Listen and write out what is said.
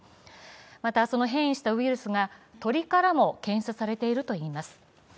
また、その変異したウイルスが鳥からも検出されているといいます。